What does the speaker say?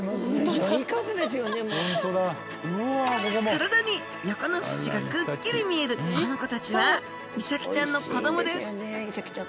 体に横のスジがくっきり見えるこの子たちはイサキちゃんの子どもです。